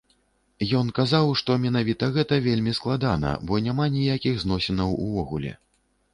І ён казаў, што менавіта гэта вельмі складана, бо няма ніякіх зносінаў увогуле.